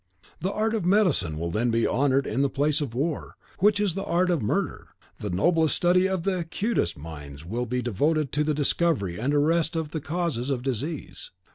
The art of medicine will then be honoured in the place of war, which is the art of murder: the noblest study of the acutest minds will be devoted to the discovery and arrest of the causes of disease.